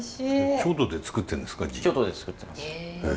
京都で作ってるんですかジン？